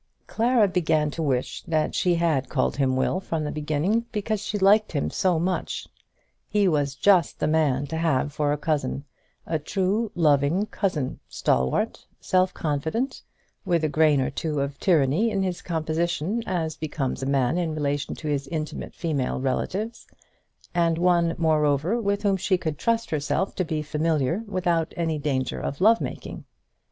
Clara began to wish that she had called him Will from the beginning, because she liked him so much. He was just the man to have for a cousin, a true loving cousin, stalwart, self confident, with a grain or two of tyranny in his composition as becomes a man in relation to his intimate female relatives; and one, moreover, with whom she could trust herself to be familiar without any danger of love making!